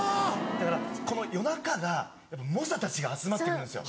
だからこの夜中が猛者たちが集まってくるんですよ。